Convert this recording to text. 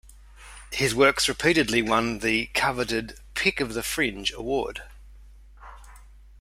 His works repeatedly won the coveted "Pick of the Fringe" award.